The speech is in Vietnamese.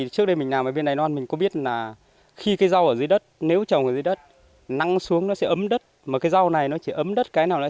trước đây mình làm ở bên này non mình có biết là khi cái rau ở dưới đất nếu trồng ở dưới đất nắng xuống nó sẽ ấm đất mà cái rau này nó chỉ ấm đất cái nào đấy